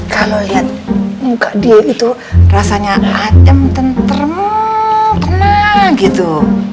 kalau liat muka dia itu rasanya adem ten tena gitu